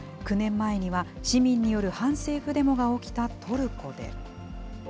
９年前には、市民による反政府デモが起きたトルコで。